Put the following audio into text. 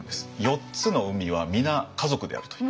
４つの海は皆家族であるという。